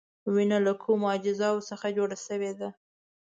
وینه له کومو اجزاوو څخه جوړه شوې ده؟